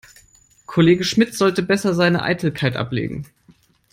Kollege Schmidt sollte besser seine Eitelkeit ablegen.